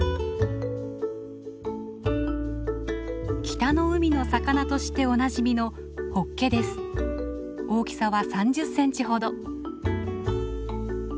北の海の魚としておなじみの大きさは３０センチほど。